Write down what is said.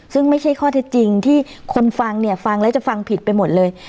ซึ่งไม่ใช่ข้อเท็จจริงที่คนฟังเนี่ยฟังแล้วจะฟังผิดไปหมดเลย